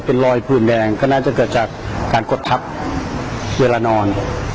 เป็นรอยผื่นแดงก็น่าจะเกิดจากการกดทับเวลานอน